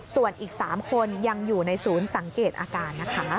ส่วนอีก๓คนยังอยู่ในศูนย์สังเกตอาการนะคะ